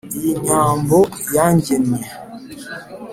iyi nyambo yangennye